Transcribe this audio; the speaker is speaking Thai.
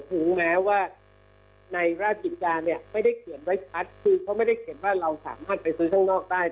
รู้แล้วว่าในราชกิจจาเนี่ยไม่ได้เขียนไว้ชัดคือเขาไม่ได้เขียนว่าเราสามารถไปซื้อข้างนอกได้